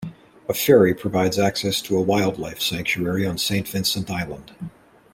A ferry provides access to a wildlife sanctuary on Saint Vincent Island.